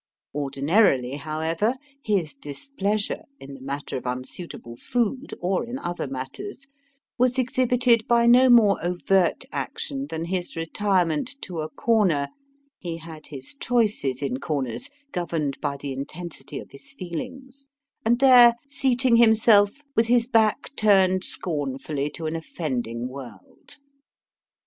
Ordinarily, however, his displeasure in the matter of unsuitable food, or in other matters was exhibited by no more overt action than his retirement to a corner he had his choices in corners, governed by the intensity of his feelings and there seating himself with his back turned scornfully to an offending world.